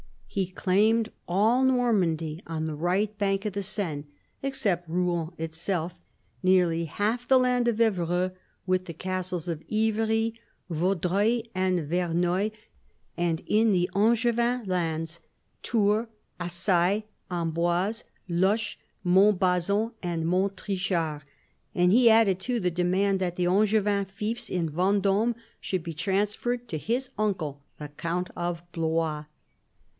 He claimed all Normandy on the right bank of the Seine, except Eouen itself, nearly half the land of Evreux, with the castles of Ivry, Vaudreuil, and Verneuil, and in the Angevin lands, Tours, Azai, Amboise, Loches, Mont bazon, and Montrichard ; and he added too the demand that the Angevin fiefs in Venddme should be transferred to his uncle, the count of Blois.